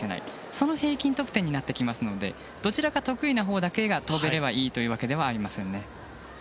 その平均得点になってきますのでどちらか得意なほうが跳べればいいわけではありません。